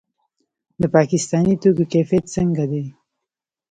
د پاکستاني توکو کیفیت څنګه دی؟